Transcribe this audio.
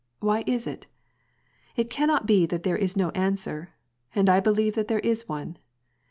Why is it ? It cannot be that there is no answer, and I believe that there is one.